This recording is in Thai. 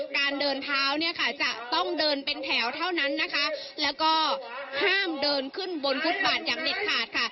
การเดินเท้าเนี่ยค่ะจะต้องเดินเป็นแถวเท่านั้นนะคะแล้วก็ห้ามเดินขึ้นบนฟุตบาทอย่างเด็ดขาดค่ะ